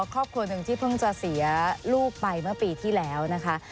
ครอบครัวหนึ่งที่เพิ่งจะเสียลูกไปเมื่อปีที่แล้วนะคะ